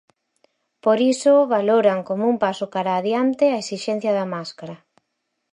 Por iso, valoran como un paso cara adiante a esixencia da máscara.